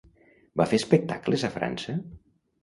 Va fer espectacles a França?